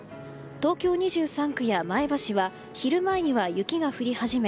東京２３区や前橋は昼前には雪が降り始め